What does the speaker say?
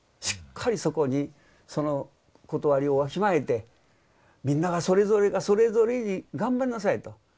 しっかりそこにそのことわりをわきまえてみんながそれぞれがそれぞれに頑張りなさいと。